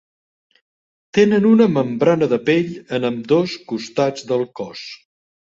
Tenen una membrana de pell en ambdós costats del cos.